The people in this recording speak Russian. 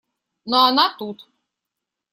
Но она тут.